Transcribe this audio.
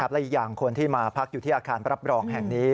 และอีกอย่างคนที่มาพักอยู่ที่อาคารรับรองแห่งนี้